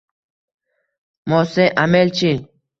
Mos`e Amel-chi